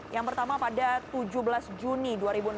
yang pertama pada tujuh belas juni dua ribu enam belas